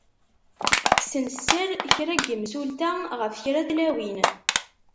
Kksen sser kra n yemsulta ɣef kra n tlawin.